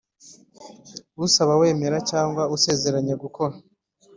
usaba wemera cyangwa usezeranya gukora